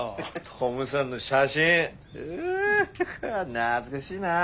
懐かしいなあ。